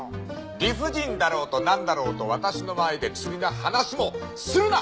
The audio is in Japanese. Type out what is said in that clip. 理不尽だろうと何だろうと私の前で釣りの話もするな！